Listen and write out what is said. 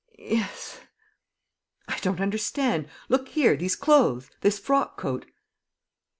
"Yes." "I don't understand. ... Look here, these clothes? This frock coat?